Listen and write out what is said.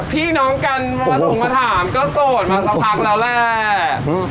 พี่น้องกันมาส่งมาถามก็โสดมาสักพักแล้วแหละ